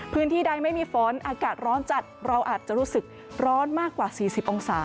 พื้นที่ใดไม่มีฝนอากาศร้อนจัดเราอาจจะรู้สึกร้อนมากกว่า๔๐องศา